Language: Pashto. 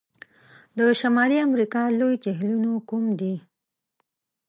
د شمالي امریکا لوی جهیلونو کوم دي؟